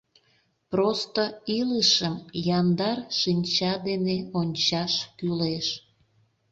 Просто илышым яндар шинча дене ончаш кӱлеш.